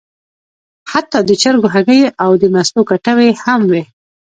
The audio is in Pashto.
حتی د چرګو هګۍ او د مستو کټوۍ هم وې.